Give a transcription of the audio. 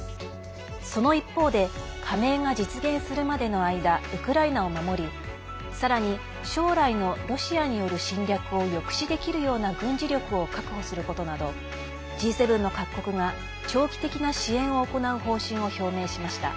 その一方で加盟が実現するまでの間ウクライナを守りさらに将来のロシアによる侵略を抑止できるような軍事力を確保することなどＧ７の各国が長期的な支援を行う方針を表明しました。